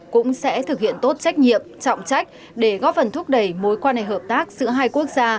cũng sẽ thực hiện tốt trách nhiệm trọng trách để góp phần thúc đẩy mối quan hệ hợp tác giữa hai quốc gia